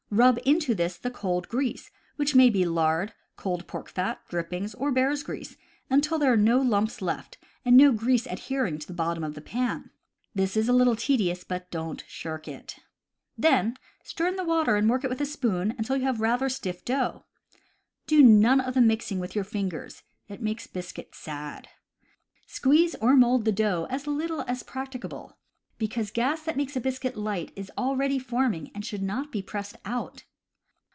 Rub into this the cold grease (which may be lard, cold pork fat, drippings, or bear's grease), until there are no lumps left and no grease adhering to bot tom of pan. This is a little tedious, but don't shirk it. Then stir in the water and work it with spoon until you have a rather stiff dough. Do none of the mixing with your fingers; it makes biscuit "sad." Squeeze CAMP COOKERY 119 or mold the dough as Httle as practicable; because the gas that makes a biscuit light is already forming and should not be pressed out.